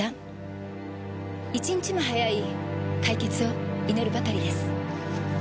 １日も早い解決を祈るばかりです。